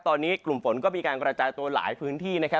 ตอนนี้กลุ่มฝนก็มีการกระจายตัวหลายพื้นที่นะครับ